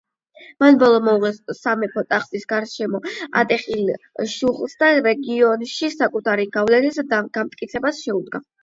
მან ბოლო მოუღო სამეფო ტახტის გარშემო ატეხილ შუღლს და რეგიონში საკუთარი გავლენის განმტკიცებას შეუდგა.